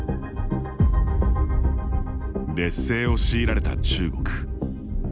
劣勢を強いられた中国。